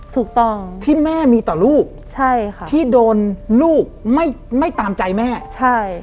ถูกต้องที่แม่มีต่อลูกใช่ค่ะที่โดนลูกไม่ไม่ตามใจแม่ใช่